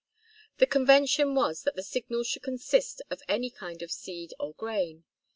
The convention was that the signal should consist of any kind of seed or grain.